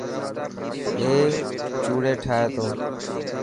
اي چوڙي ٺاهي تو.